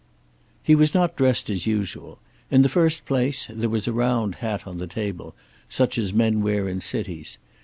He was not dressed as usual. In the first place, there was a round hat on the table, such as men wear in cities.